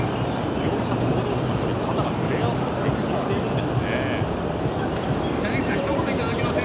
容疑者と報道陣の距離肩が触れ合うほど接近しているんですね。